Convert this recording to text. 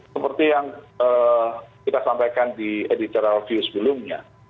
seperti yang kita sampaikan di editorial view sebelumnya